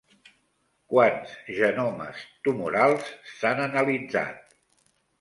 Quants genomes tumorals s'han analitzat?